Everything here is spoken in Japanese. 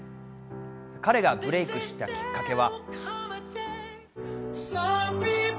彼がブレイクしたきっかけは。